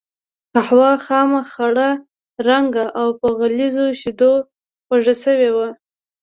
قهوه خامه، خړ رنګه او په غليظو شیدو خوږه شوې وه.